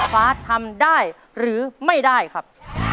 ฟ้าทำได้หรือไม่ได้ครับ